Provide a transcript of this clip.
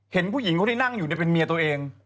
เห็นผู้หญิงคนที่นั่งอยู่เนี่ยเป็นเมียตัวเอง